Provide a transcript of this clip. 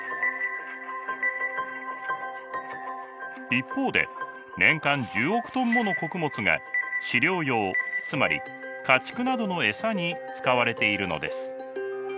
一方で年間１０億トンもの穀物が飼料用つまり家畜などの餌に使われているのです。